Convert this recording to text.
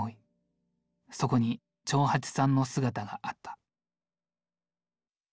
そこに長八さんの姿があった。